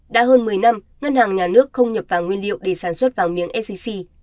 đã hơn một mươi năm ngân hàng nhà nước không nhập vàng nguyên liệu để sản xuất vàng miếng sgc